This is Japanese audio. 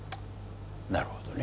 なるほどね。